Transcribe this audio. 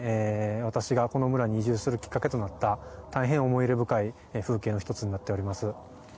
私がこの村に移住するきっかけになった大変思い出深い風景の一つとなっております。